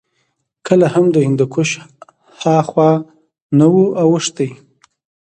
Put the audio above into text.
کله هم د هندوکش هاخوا نه وو اوښتي